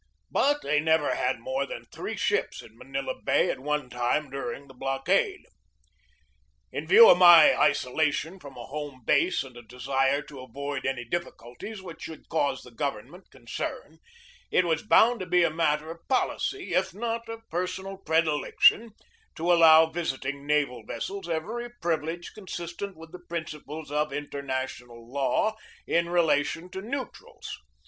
But they never had more than three ships in Manila Bay at one time during the blockade. In view of my isolation from a home base, and a desire to avoid any difficulties which should cause the government concern, it was bound to be a mat ter of policy, if not of personal predilection, to allow 254 GEORGE DEWEY visiting naval vessels every privilege consistent with the principles of international law in relation to neu trals.